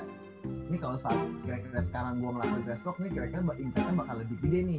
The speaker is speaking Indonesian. ini kalau saat kira kira sekarang gue ngelakuin trash talk ini kira kira intanya bakal lebih gede nih